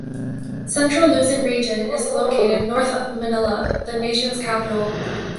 Central Luzon Region is located north of Manila, the nation's capital.